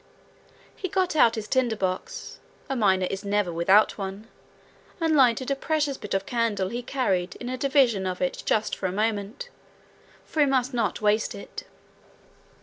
He got out his tinder box a miner is never without one and lighted a precious bit of candle he carried in a division of it just for a moment, for he must not waste it.